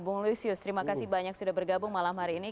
bung lusius terima kasih banyak sudah bergabung malam hari ini